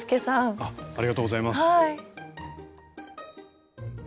ありがとうございます。